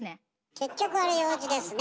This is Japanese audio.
「結局あれ楊枝ですね」！